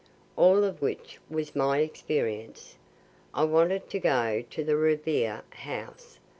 All of which was my experience. I wanted to go to the Revere house.